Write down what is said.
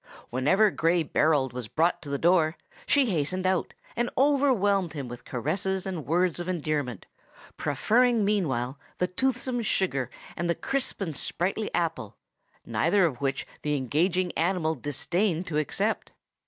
Whenever Gray Berold was brought to the door, she hastened out, and overwhelmed him with caresses and words of endearment, proffering meanwhile the toothsome sugar and the crisp and sprightly apple, neither of which the engaging animal disdained to accept.